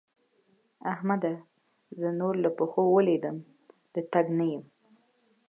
احمده! زه نور له پښو ولوېدم - د تګ نه یم.